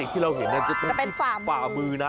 แต่เป็นฝ่ามือนะ